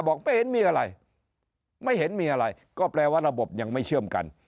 ไม่เห็นมีอะไรไม่เห็นมีอะไรก็แปลว่าระบบยังไม่เชื่อมกัน